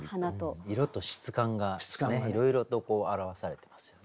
色と質感がいろいろと表されてますよね。